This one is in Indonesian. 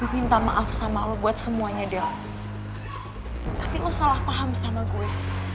minta maaf sama allah buat semuanya dia tapi lo salah paham sama gue